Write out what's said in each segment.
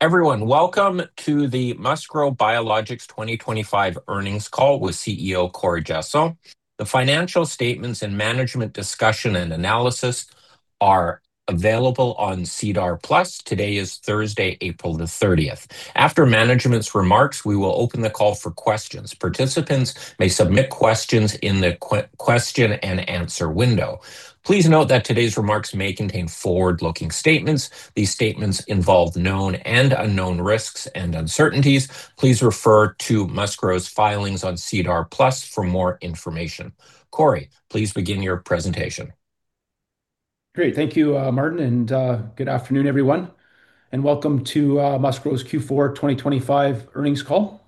Everyone, welcome to the MustGrow Biologics 2025 earnings call with CEO Corey Giasson. The financial statements and management discussion and analysis are available on SEDAR+. Today is Thursday, April the 30th. After management's remarks, we will open the call for questions. Participants may submit questions in the question-and-answer window. Please note that today's remarks may contain forward-looking statements. These statements involve known and unknown risks and uncertainties. Please refer to MustGrow's filings on SEDAR+ for more information. Corey, please begin your presentation. Great. Thank you, Martin, and good afternoon, everyone, and welcome to MustGrow's Q4 2025 earnings call.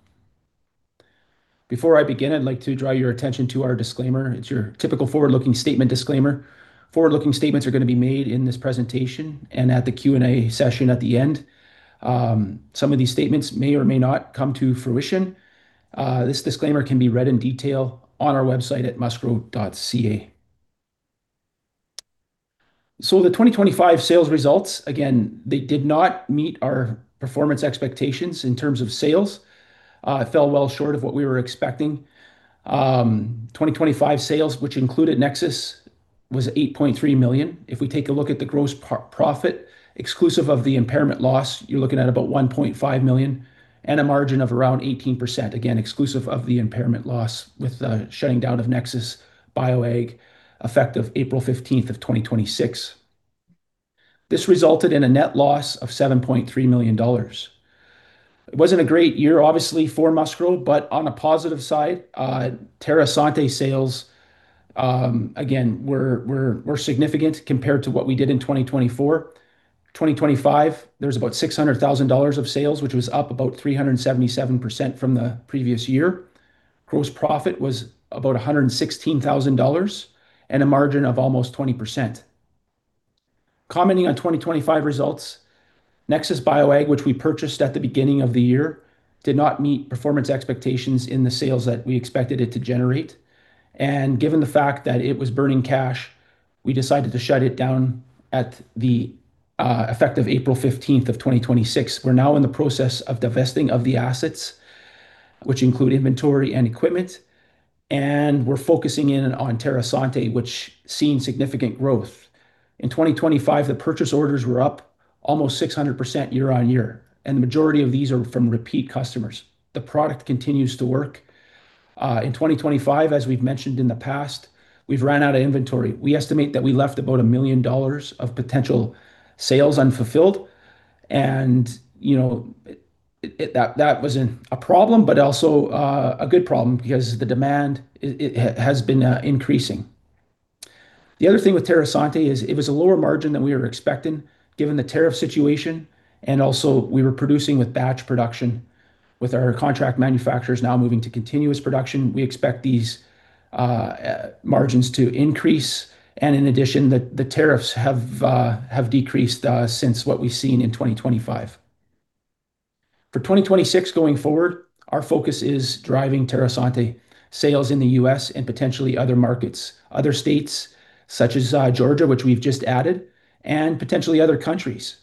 Before I begin, I'd like to draw your attention to our disclaimer. It's your typical forward-looking statement disclaimer. Forward-looking statements are gonna be made in this presentation and at the Q&A session at the end. Some of these statements may or may not come to fruition. This disclaimer can be read in detail on our website at mustgrow.ca. The 2025 sales results, again, they did not meet our performance expectations in terms of sales, fell well short of what we were expecting. 2025 sales, which included Nexus, was 8.3 million. If we take a look at the gross profit exclusive of the impairment loss, you're looking at about 1.5 million and a margin of around 18%, again, exclusive of the impairment loss with the shutting down of NexusBioAg effective April 15th, 2026. This resulted in a net loss of 7.3 million dollars. It wasn't a great year obviously for MustGrow, but on a positive side, TerraSante sales again were significant compared to what we did in 2024. 2025, there was about 600,000 dollars of sales, which was up about 377% from the previous year. Gross profit was about 116,000 dollars and a margin of almost 20%. Commenting on 2025 results, NexusBioAg, which we purchased at the beginning of the year, did not meet performance expectations in the sales that we expected it to generate. Given the fact that it was burning cash, we decided to shut it down effective April 15th of 2026. We're now in the process of divesting of the assets, which include inventory and equipment, and we're focusing in on TerraSante, which seen significant growth. In 2025, the purchase orders were up almost 600% year-on-year, and the majority of these are from repeat customers. The product continues to work. In 2025, as we've mentioned in the past, we've ran out of inventory. We estimate that we left about 1 million dollars of potential sales unfulfilled, you know, that wasn't a problem, but also a good problem because the demand has been increasing. The other thing with TerraSante is it was a lower margin than we were expecting given the tariff situation. Also, we were producing with batch production. With our contract manufacturers now moving to continuous production, we expect these margins to increase. In addition, the tariffs have decreased since what we've seen in 2025. For 2026 going forward, our focus is driving TerraSante sales in the U.S. and potentially other markets, other states such as Georgia, which we've just added, and potentially other countries.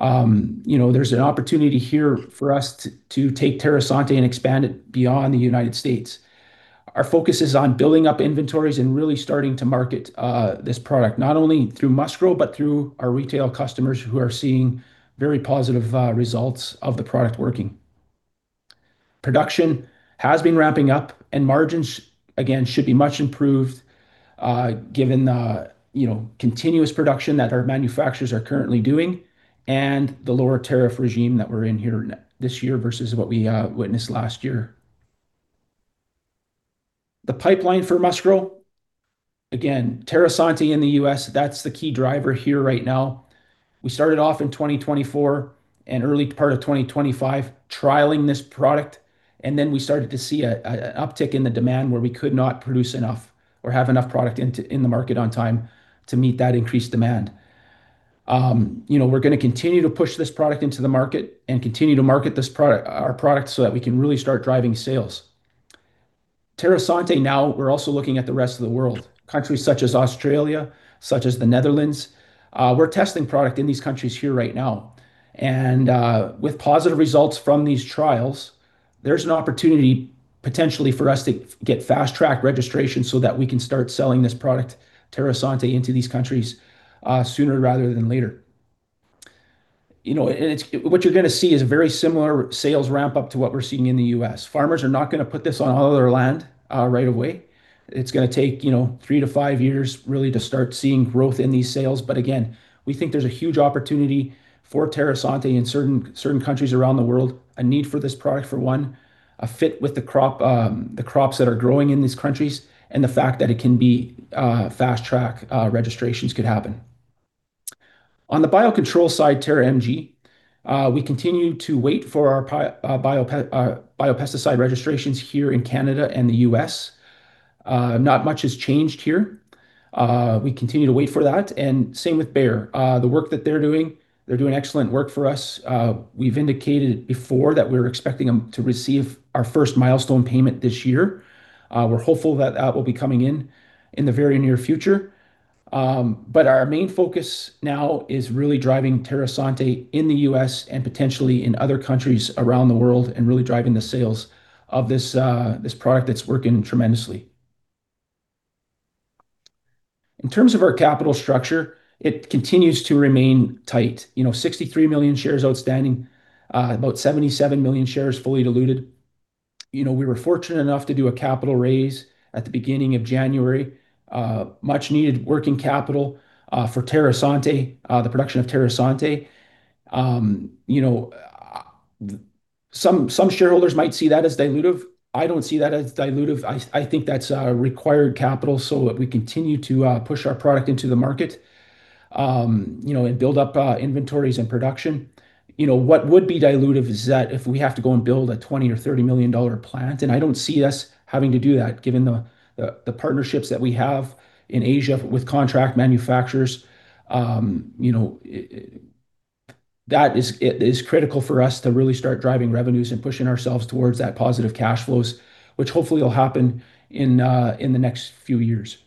You know, there's an opportunity here for us to take TerraSante and expand it beyond the United States. Our focus is on building up inventories and really starting to market this product not only through MustGrow but through our retail customers who are seeing very positive results of the product working. Production has been ramping up and margins again should be much improved, given the, you know, continuous production that our manufacturers are currently doing and the lower tariff regime that we're in here this year versus what we witnessed last year. The pipeline for MustGrow, again, TerraSante in the U.S., that's the key driver here right now. We started off in 2024 and early part of 2025 trialing this product, and then we started to see an uptick in the demand where we could not produce enough or have enough product in the market on time to meet that increased demand. You know, we're gonna continue to push this product into the market and continue to market our product so that we can really start driving sales. TerraSante now we're also looking at the rest of the world, countries such as Australia, such as the Netherlands. We're testing product in these countries here right now, and, with positive results from these trials, there's an opportunity potentially for us to get fast track registration so that we can start selling this product, TerraSante, into these countries, sooner rather than later. You know, what you're gonna see is very similar sales ramp-up to what we're seeing in the U.S. Farmers are not gonna put this on all their land, right away. It's gonna take, you know, three to five years really to start seeing growth in these sales. We think there's a huge opportunity for TerraSante in certain countries around the world, a need for this product for one, a fit with the crop, the crops that are growing in these countries, and the fact that it can be fast track, registrations could happen. On the biocontrol side, TerraMG, we continue to wait for our biopesticide registrations here in Canada and the U.S. Not much has changed here. We continue to wait for that, and same with Bayer. The work that they're doing, they're doing excellent work for us. We've indicated before that we're expecting them to receive our first milestone payment this year. We're hopeful that that will be coming in in the very near future. Our main focus now is really driving TerraSante in the U.S. and potentially in other countries around the world and really driving the sales of this product that's working tremendously. In terms of our capital structure, it continues to remain tight. You know, 63 million shares outstanding, about 77 million shares fully diluted. You know, we were fortunate enough to do a capital raise at the beginning of January. Much needed working capital for TerraSante, the production of TerraSante. You know, some shareholders might see that as dilutive. I don't see that as dilutive. I think that's required capital so that we continue to push our product into the market, you know, and build up inventories and production. You know, what would be dilutive is that if we have to go and build a 20 million or 30 million dollar plant, and I don't see us having to do that given the, the partnerships that we have in Asia with contract manufacturers. You know, it is critical for us to really start driving revenues and pushing ourselves towards that positive cash flows, which hopefully will happen in the next few years.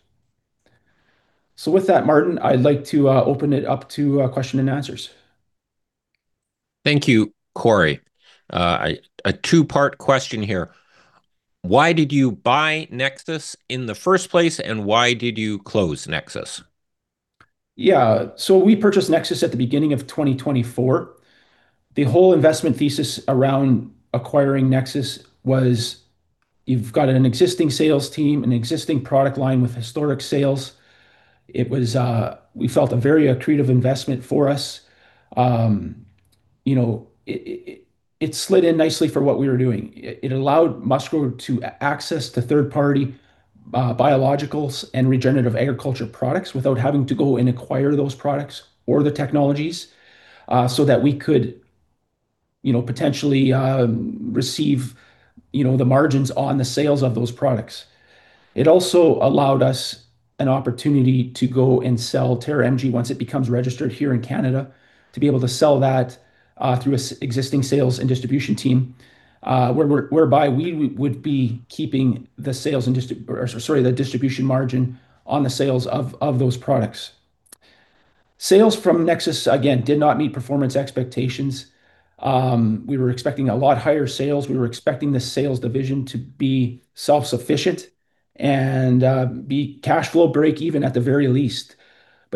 With that, Martin, I'd like to open it up to question and answers. Thank you, Corey. A two-part question here. Why did you buy NexusBioAg in the first place, and why did you close NexusBioAg? Yeah. We purchased NexusBioAg at the beginning of 2024. The whole investment thesis around acquiring NexusBioAg was you've got an existing sales team, an existing product line with historic sales. It was, we felt a very accretive investment for us. You know, it slid in nicely for what we were doing. It allowed MustGrow to access the third party, biologicals and regenerative agriculture products without having to go and acquire those products or the technologies, so that we could, you know, potentially, receive, you know, the margins on the sales of those products. It also allowed us an opportunity to go and sell TerraMG once it becomes registered here in Canada, to be able to sell that through existing sales and distribution team whereby we would be keeping the sales and, or, sorry, the distribution margin on the sales of those products. Sales from NexusBioAg, again, did not meet performance expectations. We were expecting a lot higher sales. We were expecting the sales division to be self-sufficient and be cash flow break even at the very least.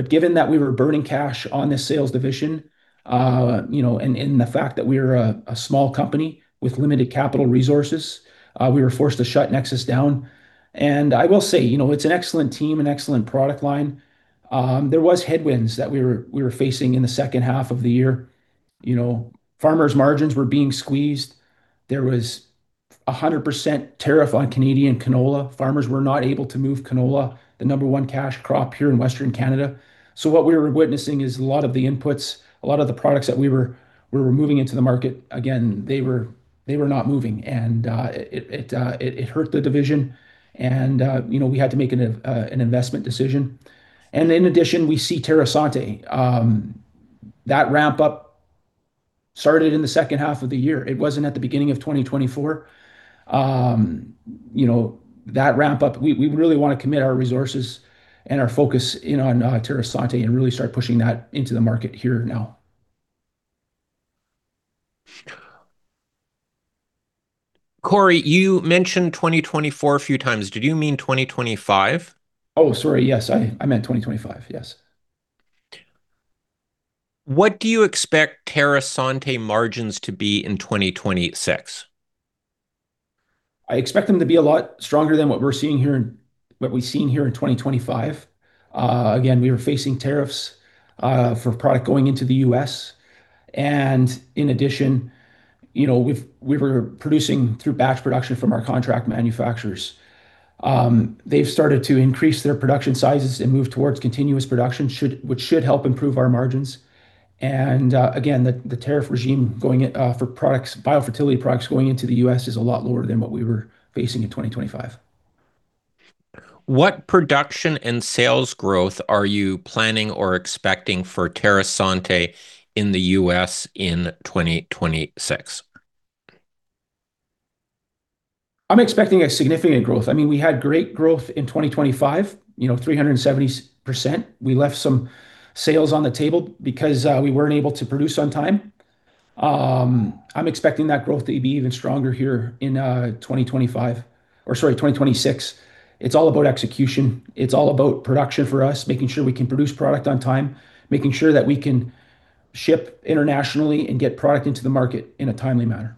Given that we were burning cash on the sales division, you know, and the fact that we're a small company with limited capital resources, we were forced to shut NexusBioAg down. I will say, you know, it's an excellent team, an excellent product line. There was headwinds that we were facing in the second half of the year. You know, farmers' margins were being squeezed. There was a 100% tariff on Canadian canola. Farmers were not able to move canola, the number one cash crop here in Western Canada. What we were witnessing is a lot of the inputs, a lot of the products that we were moving into the market, again, they were not moving. It hurt the division and, you know, we had to make an investment decision. In addition, we see TerraSante. That ramp up started in the second half of the year. It wasn't at the beginning of 2024. You know, that ramp up, we really wanna commit our resources and our focus in, on TerraSante and really start pushing that into the market here now. Corey, you mentioned 2024 a few times. Did you mean 2025? Oh, sorry. Yes. I meant 2025. Yes. What do you expect TerraSante margins to be in 2026? I expect them to be a lot stronger than what we've seen here in 2025. Again, we were facing tariffs for product going into the U.S. and in addition, you know, we were producing through batch production from our contract manufacturers. They've started to increase their production sizes and move towards continuous production which should help improve our margins. Again, the tariff regime going at for products, biofertility products going into the U.S. is a lot lower than what we were facing in 2025. What production and sales growth are you planning or expecting for TerraSante in the U.S. in 2026? I'm expecting a significant growth. I mean, we had great growth in 2025. You know, 370%. We left some sales on the table because we weren't able to produce on time. I'm expecting that growth to be even stronger here in 2025. Or sorry, 2026. It's all about execution. It's all about production for us, making sure we can produce product on time, making sure that we can ship internationally and get product into the market in a timely manner.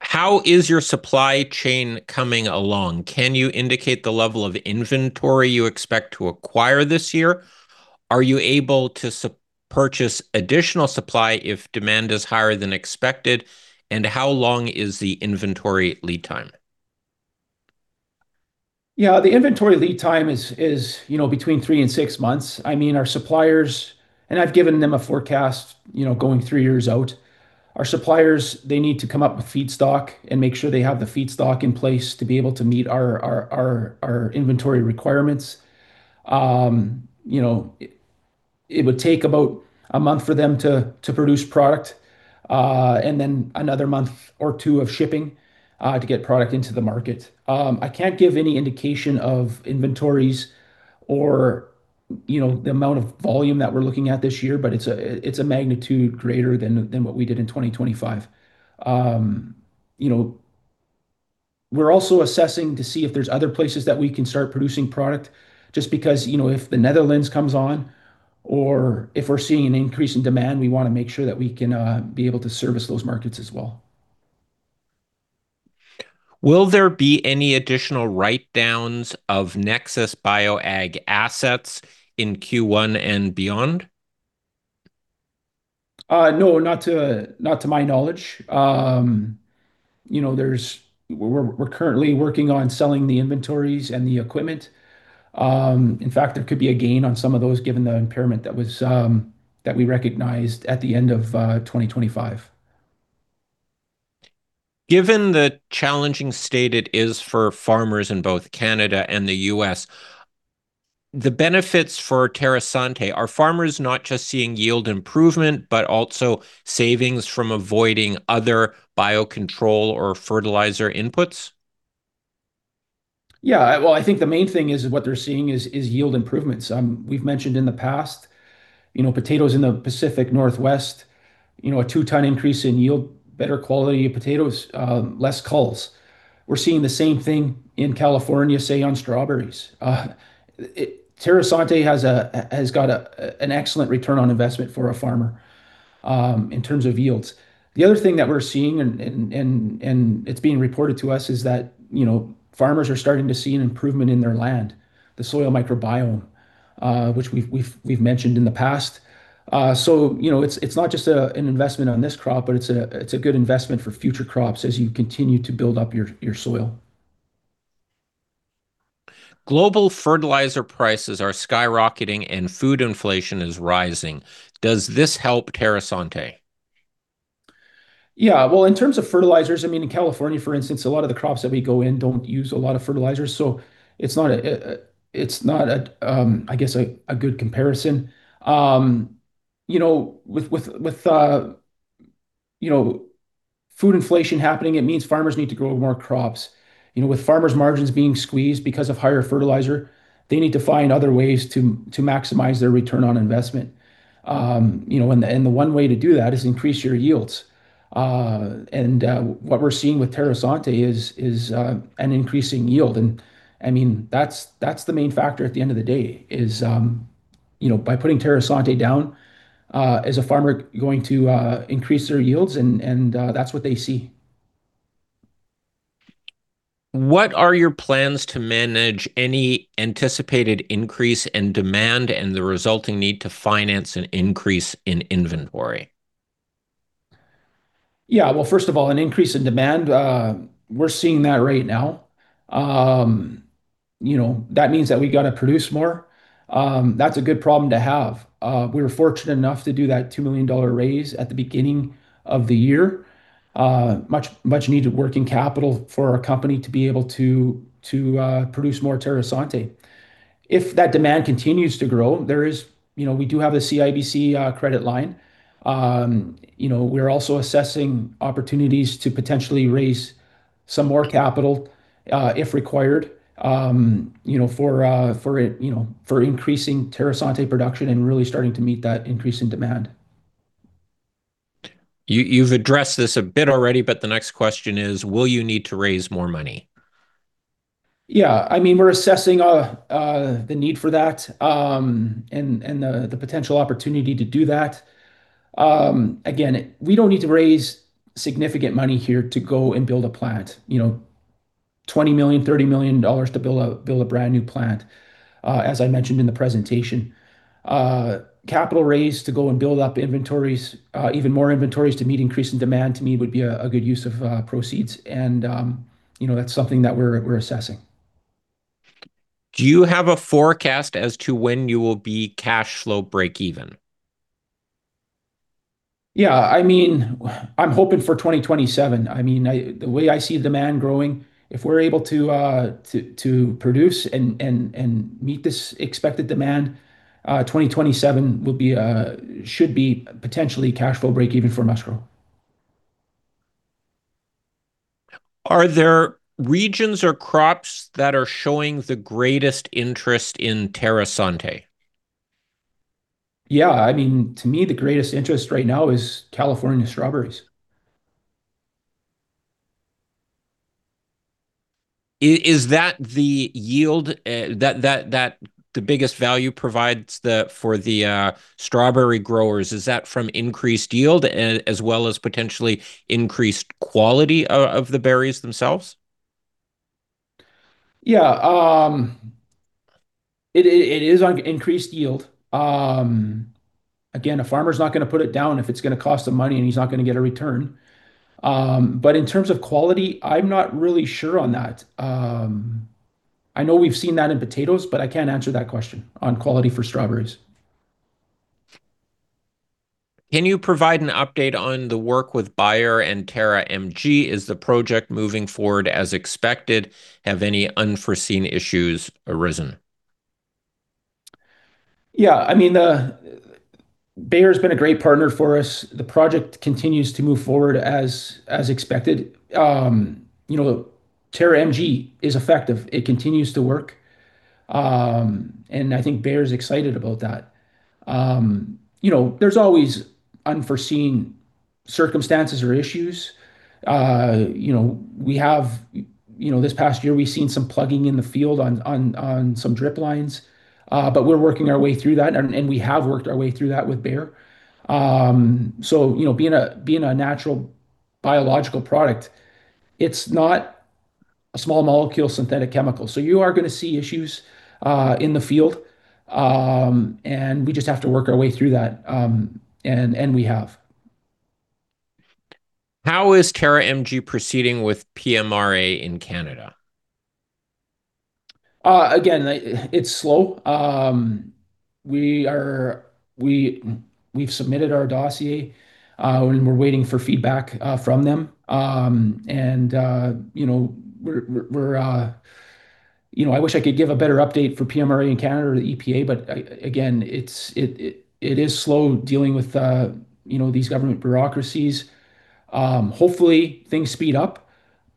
How is your supply chain coming along? Can you indicate the level of inventory you expect to acquire this year? Are you able to purchase additional supply if demand is higher than expected? How long is the inventory lead time? Yeah, the inventory lead time is, you know, between three and six months. I mean, our suppliers, and I've given them a forecast, you know, going three years out. Our suppliers, they need to come up with feedstock and make sure they have the feedstock in place to be able to meet our inventory requirements. It would take about a month for them to produce product, and then another month or two of shipping to get product into the market. I can't give any indication of inventories or, you know, the amount of volume that we're looking at this year, but it's a magnitude greater than what we did in 2025. You know, we're also assessing to see if there's other places that we can start producing product just because, you know, if the Netherlands comes on or if we're seeing an increase in demand, we wanna make sure that we can be able to service those markets as well. Will there be any additional write-downs of NexusBioAg assets in Q1 and beyond? No, not to, not to my knowledge. You know, we're currently working on selling the inventories and the equipment. In fact, there could be a gain on some of those given the impairment that was that we recognized at the end of 2025. Given the challenging state it is for farmers in both Canada and the U.S., the benefits for TerraSante, are farmers not just seeing yield improvement, but also savings from avoiding other biocontrol or fertilizer inputs? Yeah. Well, I think the main thing is what they're seeing is yield improvements. We've mentioned in the past, you know, potatoes in the Pacific Northwest, you know, a 2 ton increase in yield, better quality potatoes, less culls. We're seeing the same thing in California, say, on strawberries. TerraSante has got an excellent return on investment for a farmer in terms of yields. The other thing that we're seeing and it's being reported to us is that, you know, farmers are starting to see an improvement in their land, the soil microbiome, which we've mentioned in the past. You know, it's not just an investment on this crop, but it's a good investment for future crops as you continue to build up your soil. Global fertilizer prices are skyrocketing and food inflation is rising. Does this help TerraSante? Yeah. Well, in terms of fertilizers, I mean, in California, for instance, a lot of the crops that we go in don't use a lot of fertilizers. It's not a, it's not a, I guess, a good comparison. You know, with, you know, food inflation happening, it means farmers need to grow more crops. You know, with farmers' margins being squeezed because of higher fertilizer, they need to find other ways to maximize their Return on Investment. You know, and the one way to do that is increase your yields. What we're seeing with TerraSante is an increasing yield. I mean, that's the main factor at the end of the day, is, you know, by putting TerraSante down, is a farmer going to increase their yields? That's what they see. What are your plans to manage any anticipated increase in demand and the resulting need to finance an increase in inventory? Yeah. Well, first of all, an increase in demand, we're seeing that right now. You know, that means that we gotta produce more. That's a good problem to have. We were fortunate enough to do that 2 million dollar raise at the beginning of the year. Much, much needed working capital for our company to be able to produce more TerraSante. If that demand continues to grow, you know, we do have a CIBC credit line. You know, we're also assessing opportunities to potentially raise some more capital, if required, you know, for, you know, for increasing TerraSante production and really starting to meet that increase in demand. You've addressed this a bit already, but the next question is, will you need to raise more money? Yeah. I mean, we're assessing the need for that, and the potential opportunity to do that. Again, we don't need to raise significant money here to go and build a plant. You know, 20 million, 30 million dollars to build a brand new plant, as I mentioned in the presentation. Capital raise to go and build up inventories, even more inventories to meet increasing demand to me would be a good use of proceeds. You know, that's something that we're assessing. Do you have a forecast as to when you will be cash flow breakeven? Yeah. I mean, I'm hoping for 2027. I mean, the way I see demand growing, if we're able to produce and meet this expected demand, 2027 will be should be potentially cash flow breakeven for MustGrow. Are there regions or crops that are showing the greatest interest in TerraSante? Yeah. I mean, to me, the greatest interest right now is California strawberries. Is that the yield, that the biggest value provides the, for the strawberry growers? Is that from increased yield, as well as potentially increased quality of the berries themselves? Yeah. It is on increased yield. Again, a farmer's not gonna put it down if it's gonna cost him money and he's not gonna get a return. In terms of quality, I'm not really sure on that. I know we've seen that in potatoes, but I can't answer that question on quality for strawberries. Can you provide an update on the work with Bayer and TerraMG? Is the project moving forward as expected? Have any unforeseen issues arisen? Yeah. I mean, Bayer's been a great partner for us. The project continues to move forward as expected. You know, TerraMG is effective. It continues to work. I think Bayer's excited about that. You know, there's always unforeseen circumstances or issues. You know, we have, you know, this past year we've seen some plugging in the field on some drip lines. We're working our way through that and we have worked our way through that with Bayer. You know, being a natural biological product, it's not a small molecule synthetic chemical. You are gonna see issues in the field. We just have to work our way through that. We have. How is TerraMG proceeding with PMRA in Canada? Again, it's slow. We've submitted our dossier, and we're waiting for feedback from them. You know, we're, you know, I wish I could give a better update for PMRA in Canada or the EPA but again, it is slow dealing with, you know, these government bureaucracies. Hopefully things speed up,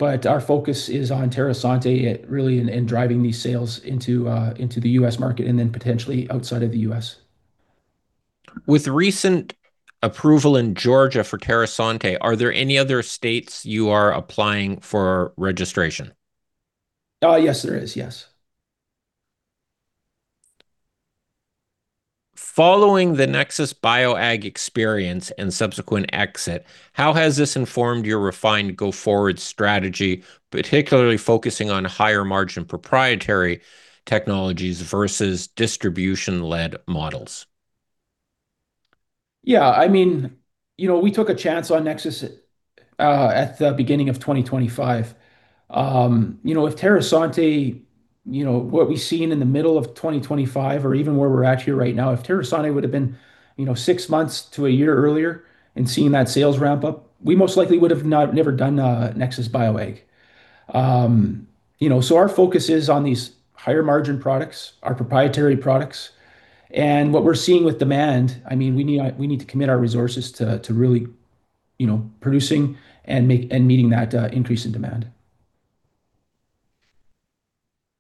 our focus is on TerraSante actually and driving these sales into the U.S. market and then potentially outside of the U.S. With recent approval in Georgia for TerraSante, are there any other states you are applying for registration? Yes, there is. Yes. Following the NexusBioAg BioAg experience and subsequent exit, how has this informed your refined go-forward strategy, particularly focusing on higher margin proprietary technologies versus distribution-led models? Yeah, I mean, you know, we took a chance on NexusBioAg at the beginning of 2025. You know, if TerraSante, you know, what we've seen in the middle of 2025 or even where we're at here right now, if TerraSante would've been, you know, six months to a year earlier and seeing that sales ramp up, we most likely would've not never done NexusBioAg. You know, our focus is on these higher margin products, our proprietary products. What we're seeing with demand, I mean, we need to commit our resources to really, you know, producing and meeting that increase in demand.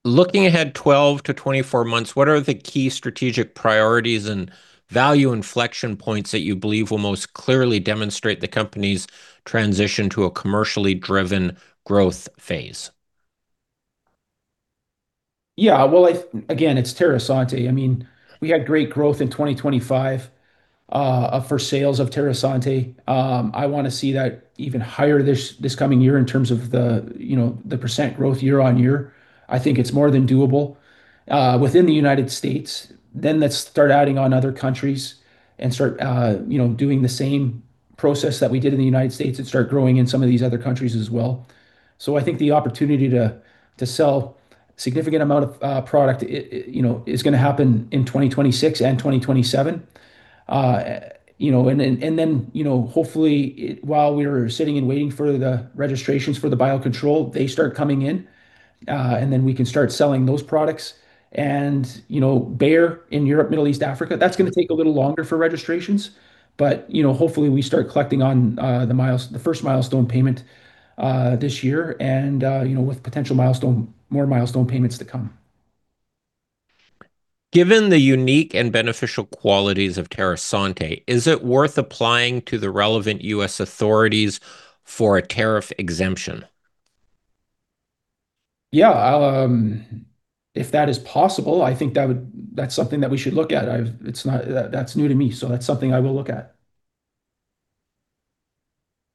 Looking ahead 12-24 months, what are the key strategic priorities and value inflection points that you believe will most clearly demonstrate the company's transition to a commercially driven growth phase? Yeah. Well, again, it's TerraSante. I mean, we had great growth in 2025 for sales of TerraSante. I wanna see that even higher this coming year in terms of the, you know, the percent growth year on year. I think it's more than doable within the United States. Let's start adding on other countries and start, you know, doing the same process that we did in the United States and start growing in some of these other countries as well. I think the opportunity to sell significant amount of product, you know, is gonna happen in 2026 and 2027. You know, and then, and then, you know, hopefully while we're sitting and waiting for the registrations for the biocontrol, they start coming in, and then we can start selling those products. You know, Bayer in Europe, Middle East, Africa, that's gonna take a little longer for registrations but, you know, hopefully we start collecting on the first milestone payment this year and you know, with potential milestone, more milestone payments to come. Given the unique and beneficial qualities of TerraSante, is it worth applying to the relevant U.S. authorities for a tariff exemption? Yeah. If that is possible, I think that's something that we should look at. That's new to me, so that's something I will look at.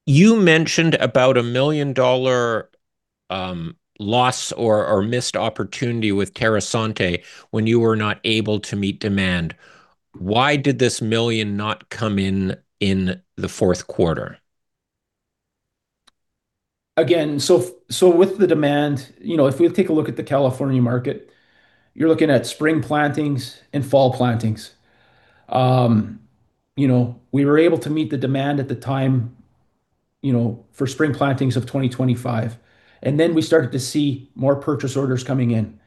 You mentioned about a 1 million dollar loss or missed opportunity with TerraSante when you were not able to meet demand. Why did this 1 million not come in in the fourth quarter? With the demand, if we take a look at the California market, you're looking at spring plantings and fall plantings. We were able to meet the demand at the time for spring plantings of 2025, we started to see more purchase orders coming in.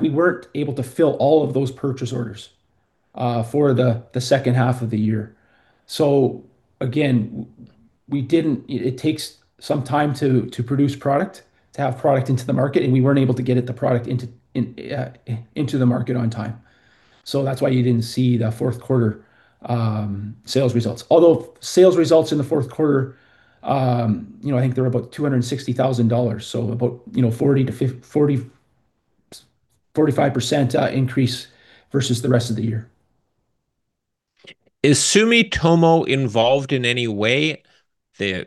We weren't able to fill all of those purchase orders for the second half of the year. It takes some time to produce product, to have product into the market, and we weren't able to get it the product into the market on time. That's why you didn't see the fourth quarter sales results. Although sales results in the fourth quarter, I think they were about 260,000 dollars about, you know, 40%-45%, increase versus the rest of the year. Is Sumitomo involved in any way? The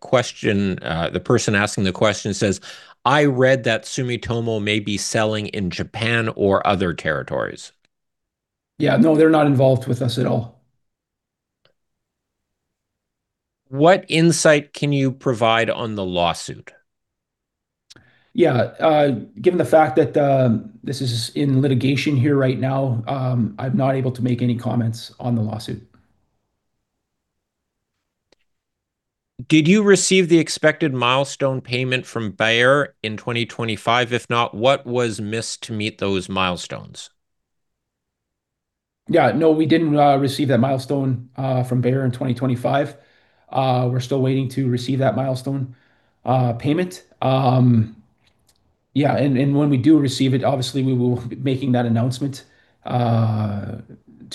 question, the person asking the question says, "I read that Sumitomo may be selling in Japan or other territories. Yeah. No, they're not involved with us at all. What insight can you provide on the lawsuit? Yeah, given the fact that this is in litigation here right now, I'm not able to make any comments on the lawsuit. Did you receive the expected milestone payment from Bayer in 2025? If not, what was missed to meet those milestones? Yeah. No, we didn't receive that milestone from Bayer in 2025. We're still waiting to receive that milestone payment. Yeah, and when we do receive it, obviously we will be making that announcement to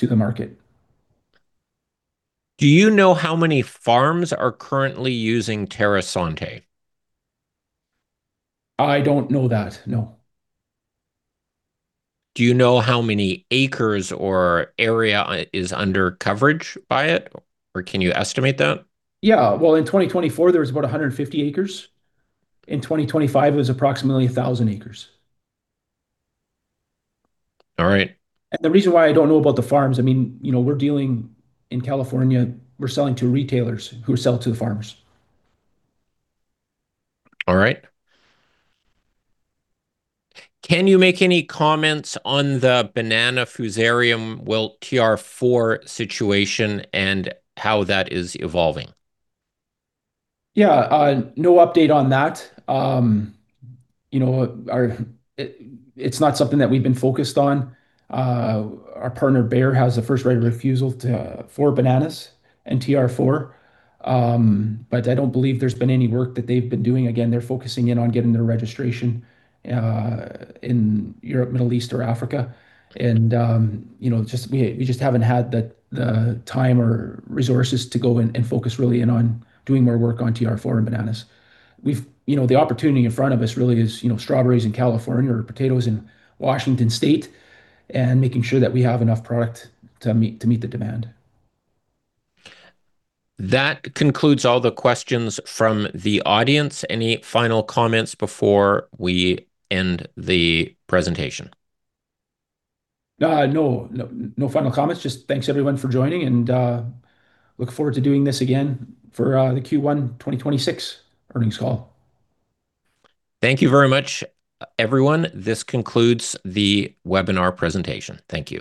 the market. Do you know how many farms are currently using TerraSante? I don't know that, no. Do you know how many acres or area is under coverage by it, or can you estimate that? Yeah. Well, in 2024 there was about 150 acres. In 2025 it was approximately 1,000 acres. All right. The reason why I don't know about the farms, I mean, you know, we're dealing, in California we're selling to retailers who sell to the farmers. All right. Can you make any comments on the banana Fusarium wilt TR4 situation and how that is evolving? Yeah. No update on that. You know, it's not something that we've been focused on. Our partner Bayer has a first right refusal for bananas and TR4. I don't believe there's been any work that they've been doing. Again, they're focusing in on getting their registration in Europe, Middle East, or Africa. You know, we just haven't had the time or resources to go and focus really in on doing more work on TR4 and bananas. You know, the opportunity in front of us really is, you know, strawberries in California or potatoes in Washington State, and making sure that we have enough product to meet the demand. That concludes all the questions from the audience. Any final comments before we end the presentation? No. No final comments. Just thanks everyone for joining, and look forward to doing this again for the Q1 2026 earnings call. Thank you very much, everyone. This concludes the webinar presentation. Thank you.